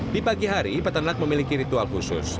di pagi hari peternak memiliki ritual khusus